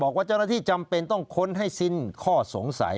บอกว่าเจ้าหน้าที่จำเป็นต้องค้นให้สิ้นข้อสงสัย